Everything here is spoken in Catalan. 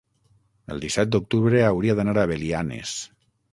el disset d'octubre hauria d'anar a Belianes.